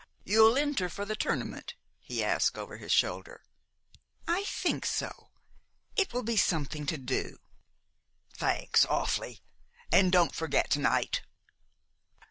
"You'll enter for the tournament?" he asked over his shoulder. "I think so. It will be something to do." "Thanks awfully. And don't forget to night."